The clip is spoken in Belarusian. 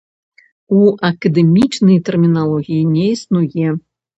У акадэмічнай тэрміналогіі не існуе.